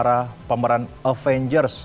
tentang para pemeran avengers